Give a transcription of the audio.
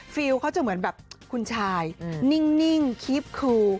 ฟิลเขาจะเหมือนแบบคุณชายนิ่งคีบคู